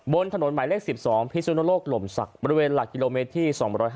บนถนนหมายเลข๑๒พิสุนโลกหล่มศักดิ์บริเวณหลักกิโลเมตรที่๒๕๕